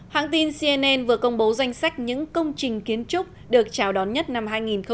hãng tin cnn vừa công bố danh sách những công trình kiến trúc được chào đón nhất năm hai nghìn một mươi chín